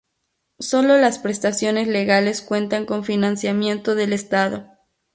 Solo las prestaciones legales cuentan con financiamiento del Estado.